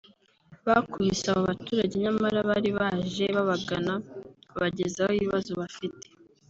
bakubise abo baturage nyamara bari baje babagana kubagezaho ibibazo bafite